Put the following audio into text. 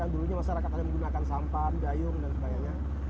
yang dulunya masyarakat hanya menggunakan sampan dayung dan sebagainya